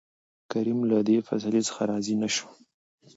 کريم له دې فيصلې څخه راضي نه شو.